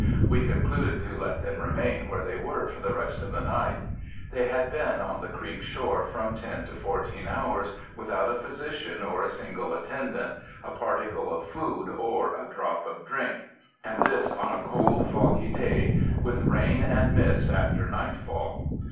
We concluded to let them remain where they were for the rest of the night. They had been on the creek shore from ten to fourteen hours, without a physician or a single attendant, a particle of food or a drop of drink, and this on a cold, foggy day, with rain and mist after nightfall.